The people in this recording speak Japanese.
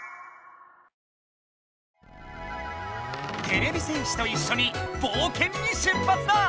てれび戦士といっしょにぼうけんに出発だ！